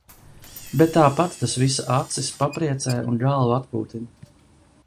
Bet tāpat tas viss acis papriecē un galvu atpūtina.